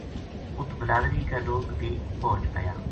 اُت بلادری کا لوک بے پوہچ آیا